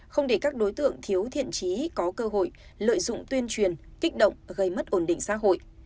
không để các đối tượng thiếu thiện trí có cơ hội lợi dụng tuyên truyền kích động gây mất ổn định xã hội